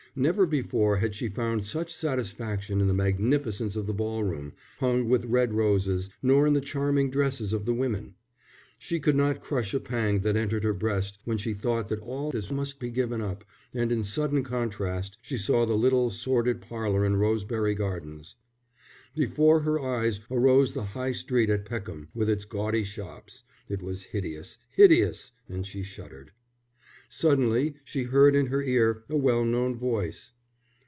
Never before had she found such satisfaction in the magnificence of the ball room, hung with red roses, nor in the charming dresses of the women. She could not crush a pang that entered her breast when she thought that all this must be given up, and in sudden contrast she saw the little sordid parlour in Rosebery Gardens. Before her eyes arose the High Street at Peckham with its gaudy shops. It was hideous, hideous, and she shuddered. Suddenly she heard in her ear a well known voice.